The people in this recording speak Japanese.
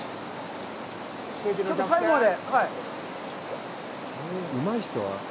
ちょっと最後まで。